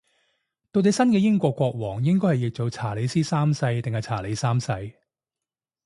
到底新嘅英國國王應該譯做查理斯三世定係查理三世